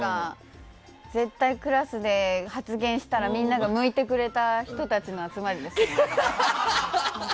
絶対、クラスで発言したらみんなが向いてくれた人たちの集まりですよね。